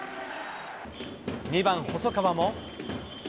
２番細川も。